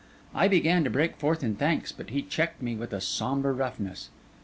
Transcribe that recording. I began to break forth in thanks, but he checked me with a sombre roughness.